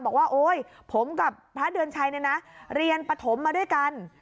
บอกว่าผมกับพระเดือนชัยเรียนปฐมมาด้วยกัน